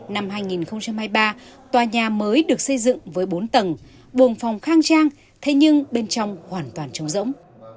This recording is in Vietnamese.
năm hai nghìn hai mươi ba tòa nhà mới được xây dựng với bốn tầng buồng phòng khang trang thế nhưng bên trong hoàn toàn trống rỗng